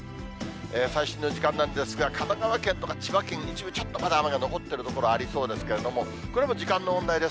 最新の時間なんですが、神奈川県とか千葉県、一部ちょっとまだ雨が残っている所がありそうですけれども、これも時間の問題です。